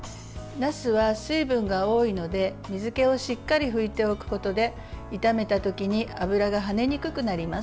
なすは水分が多いので水けをしっかり拭いておくことで炒めたときに油がはねにくくなります。